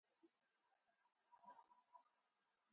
• Birovning eshagi kuchliga o‘xshaydi.